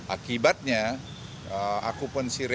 akibatnya aku pensi rupanya